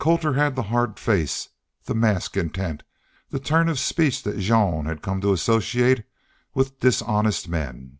Colter had the hard face, the masked intent, the turn of speech that Jean had come to associate with dishonest men.